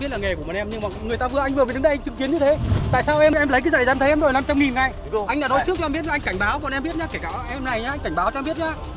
kể cả em này nhé anh cảnh báo cho em biết nhé